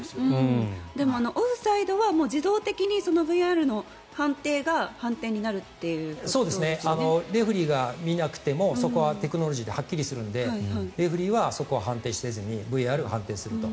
オフサイドは自動的にＶＡＲの判定がレフェリーが見なくてもそこはテクノロジーではっきりするので、レフェリーはそこは判定せずにＶＡＲが判定すると。